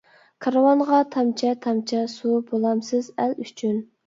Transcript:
كارۋانغا. تامچە-تامچە سۇ بۇلامسىز ئەل ئۈچۈن.